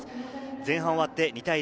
前半終わって２対０。